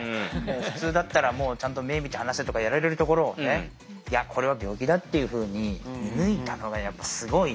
普通だったら「ちゃんと目見て話せ」とかやられるところをねいやこれは病気だっていうふうに見抜いたのがやっぱすごい。